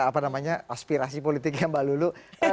apa namanya aspirasi politiknya mbak lulu